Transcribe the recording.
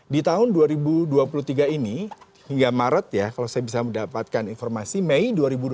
di tahun dua ribu dua puluh tiga ini hingga maret ya kalau saya bisa mendapatkan informasi mei dua ribu dua puluh